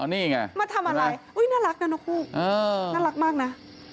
นี่ไงมาทำอะไรน่ารักนะนกฮูกน่ารักมากนะ